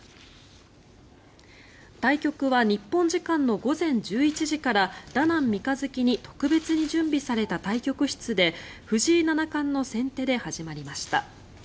対局は日本時間の午前１１時からダナン三日月に特別に準備された対局室で藤井七冠の先手で始まりました。